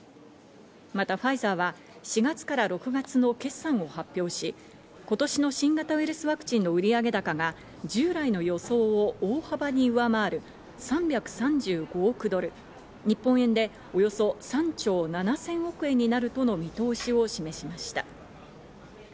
またファイザーは４月から６月の決算を発表し、今年の新型ウイルスワクチンの売上高が従来の予想を大幅に上回る、３３５億ドル、日本円でおよそ３兆７０００億円になるとの見通しを示しました。